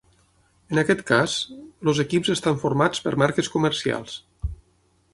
En aquest cas, els equips estan formats per marques comercials.